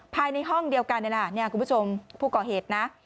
ภายในห้องเดียวกันนี่แหละคุณผู้ชมผู้ก่อเหตุนะ